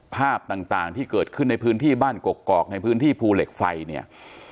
ภาพต่างที่เกิดขึ้นในพื้นที่บ้านกกอกในพื้นที่ภูเหล็กไฟเนี่ย